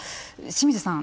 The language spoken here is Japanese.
清水さん